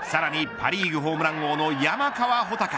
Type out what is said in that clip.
パ・リーグホームラン王の山川穂高。